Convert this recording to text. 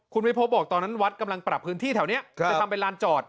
คุณวิพบบอกตอนนั้นวัดกำลังปรับพื้นที่แถวนี้จะทำเป็นลานจอด